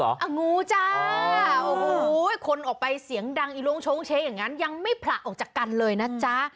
งูจ้าโอ้โหคนออกไปเสียงดังอีโรงโชงเช้งอย่างนั้นยังไม่ผละออกจากกันเลยนะจ๊ะ